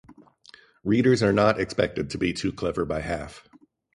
Readers are not expected to be too clever by half.